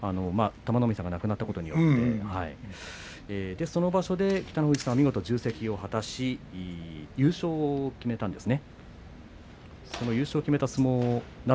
玉の海さんが亡くなったことによってその場所で北の富士さんが重責を果たし優勝を決めたんですね。